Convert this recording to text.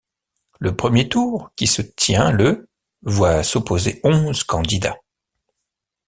Le premier tour, qui se tient le voit s'opposer onze candidats.